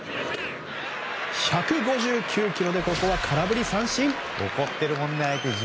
１５９キロでここは空振り三振。